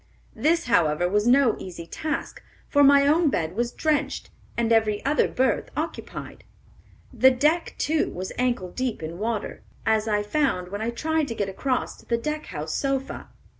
This, however, was no easy task, for my own bed was drenched, and every other berth occupied. The deck, too, was ankle deep in water, as I found when I tried to get across to the deck house sofa.